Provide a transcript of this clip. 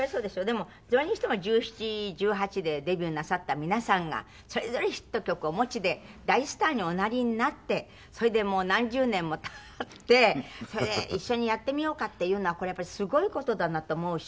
でもそれにしても１７１８でデビューなさった皆さんがそれぞれヒット曲をお持ちで大スターにおなりになってそれで何十年も経ってそれで一緒にやってみようかっていうのはこれやっぱりすごい事だなと思うし。